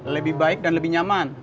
lebih baik dan lebih nyaman